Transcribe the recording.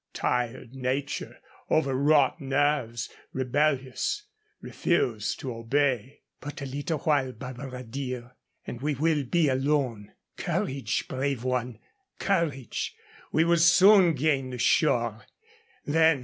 Tired nature, overwrought nerves, rebellious, refused to obey. "But a little while, Barbara, dear, and we will be alone. Courage, brave one! Courage! We will soon gain the shore.